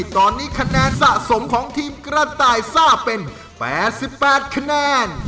ตอนนี้คะแนนสะสมของทีมกระต่ายซ่าเป็น๘๘คะแนน